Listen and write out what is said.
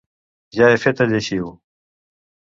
Ja he fet el lleixiu!